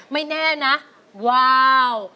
ไม่แน่นะว้าว